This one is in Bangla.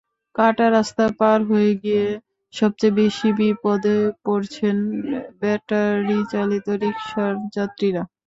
কাটা রাস্তা পার হতে গিয়ে সবচেয়ে বেশি বিপদে পড়ছেন ব্যাটারিচালিত রিকশার যাত্রীরা।